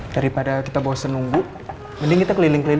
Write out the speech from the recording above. daripada kita bosen nunggu